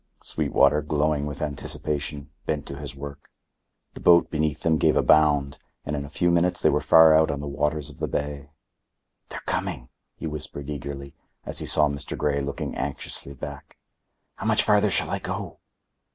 Sweetwater, glowing with anticipation, bent to his work. The boat beneath them gave a bound and in a few minutes they were far out on the waters of the bay. "They're coming!" he whispered eagerly, as he saw Mr. Grey looking anxiously back. "How much farther shall I go?"